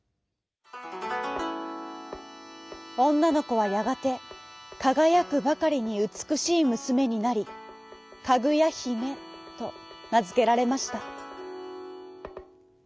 おんなのこはやがてかがやくばかりにうつくしいむすめになりかぐやひめとなづけられました。